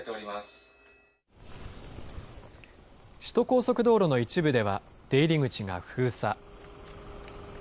首都高速道路の一部では、出入り口が封鎖。